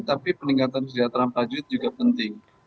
tapi peningkatan kesejahteraan prajurit juga penting